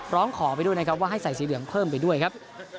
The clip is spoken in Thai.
ร้องขอไปด้วยนะครับว่าให้ใส่สีเหลืองเพิ่มไปด้วยครับ